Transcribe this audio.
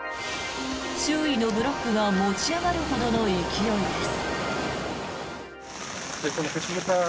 周囲のブロックが持ち上がるほどの勢いです。